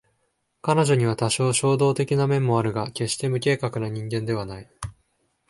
彼女には多少衝動的な面もあるが決して無計画な人間ではない